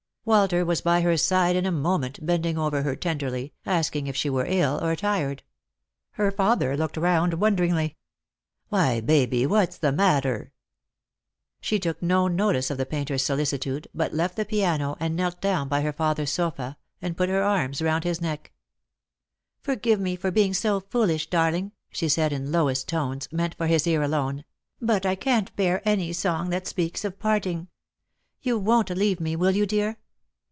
Walter was by her side in a moment, bending over her tenderly, asking if she were ill or tired. Her father looked round wonderingly. " Why, Baby, what's the matter ?" She took no notice of the painter's solicitude, but left the piano and knelt down by her father's sofa, and put her arms round his neck. " Forgive me for being so foolish, darling," she said, in lowest tones, meant for his ear alone; "but I can't bear any song that speaks of parting. You won't leave me, will you, dear